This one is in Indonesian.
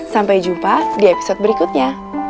sampai jumpa di episode berikutnya